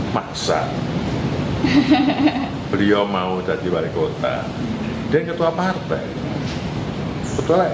maksa beliau mau jadi wali kota dia yang ketua partai